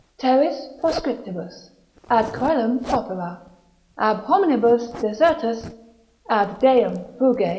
Terris proscriptus, ad coelum propera; ab hominibus desertus, ad deum fuge.